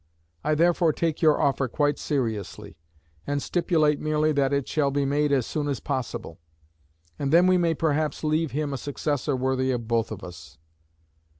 I therefore take your offer quite seriously, and stipulate merely that it shall be made as soon as possible; and then we may perhaps leave him a successor worthy of both of us."